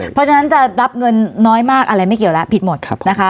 เพราะฉะนั้นจะรับเงินน้อยมากอะไรไม่เกี่ยวแล้วผิดหมดนะคะ